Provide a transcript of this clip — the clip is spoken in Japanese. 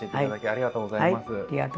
ありがとうございます。